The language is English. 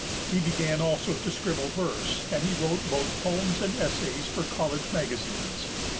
He began also to scribble verse, and he wrote both poems and essays for college magazines.